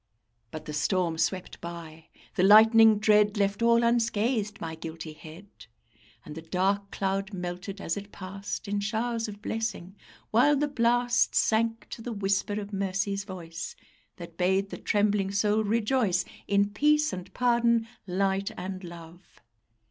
But the storm swept by; the lightning dread Left all unscathed my guilty head, And the dark cloud melted as it passed In showers of blessing, while the blast Sank to the whisper of mercy's voice, That bade the trembling soul rejoice In peace and pardon, light and love.